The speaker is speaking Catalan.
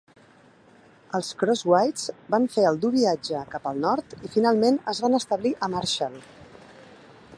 Els Crosswhites van fer el dur viatge cap al nord i finalment es van establir a Marshall.